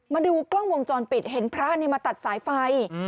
มาดูกล้องวงจรปิดเห็นพระมาตัดสายไฟ